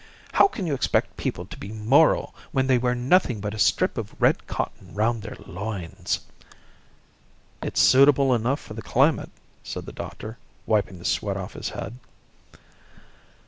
How can you expect people to be moral when they wear nothing but a strip of red cotton round their loins?" "It's suitable enough to the climate," said the doctor, wiping the sweat off his head.